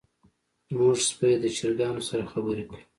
زمونږ سپی د چرګانو سره خبرې کوي.